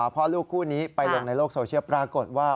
พ่อลูกคู่นี้ไปลงในโลกโซเชียลปรากฏว่า